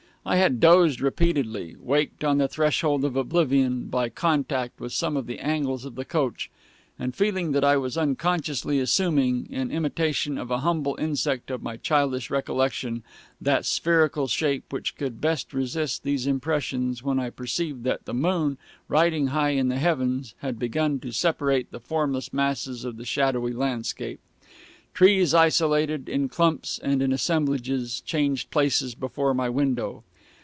I had dozed repeatedly waked on the threshold of oblivion by contact with some of the angles of the coach, and feeling that I was unconsciously assuming, in imitation of a humble insect of my childish recollection, that spherical shape which could best resist those impressions, when I perceived that the moon, riding high in the heavens, had begun to separate the formless masses of the shadowy landscape. Trees isolated, in clumps and assemblages, changed places before my window.